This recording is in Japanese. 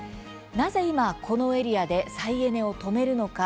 なぜ、今このエリアで再エネを止めるのか？